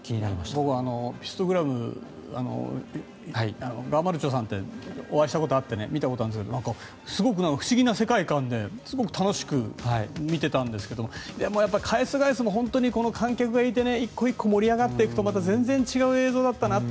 僕はピクトグラムがまるちょばさんってお会いしたことあって見たことあるんですけどすごく不思議な世界観で楽しく見ていたんですけどやっぱり返す返すも観客がいて１個１個盛り上がっていくとまた全然違う映像だったなと。